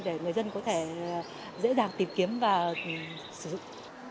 để người dân có thể dễ dàng tìm kiếm và sử dụng